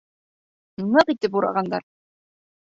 Ныҡ итеп урағандар.